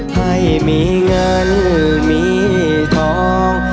ให้มีเงินมีทอง